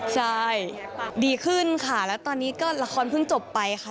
ใช่ดีขึ้นค่ะแล้วตอนนี้ก็ละครเพิ่งจบไปค่ะ